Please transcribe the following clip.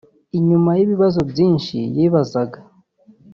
Inyuma y’ibibazo byinshi yibazaga